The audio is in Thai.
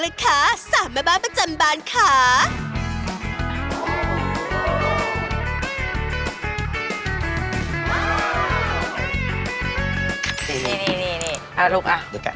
และสุดท้ายแม่บ้านอ่อมก็ต้องจัดการแปะโลโก้